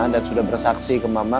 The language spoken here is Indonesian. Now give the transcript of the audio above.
dan sudah bersaksi ke mama